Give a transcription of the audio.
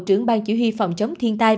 trưởng ban chỉ huy phòng chống thiên tai